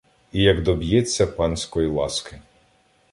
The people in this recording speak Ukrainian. І як доб'ється панськой ласки